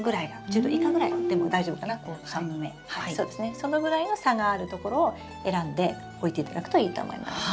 そのぐらいの差がある所を選んで置いていただくといいと思います。